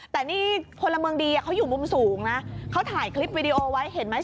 แต่นี่พลเมืองดีเขาอยู่มุมสูงนะเขาถ่ายคลิปวิดีโอไว้เห็นไหม